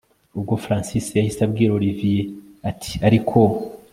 Ubwo Francis yahise abwira Olivier atiariko